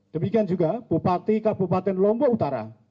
demikian juga bupati kabupaten lombok utara